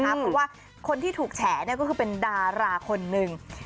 เพราะว่าคนที่ถูกแฉก็คือเป็นดาราคนหนึ่ง